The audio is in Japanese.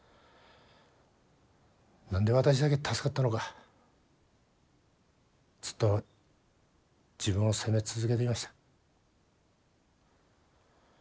何で私だけ助かったのかずっと自分を責め続けてきました。